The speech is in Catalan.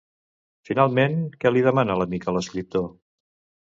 Finalment, que li demana l'amic a l'escriptor?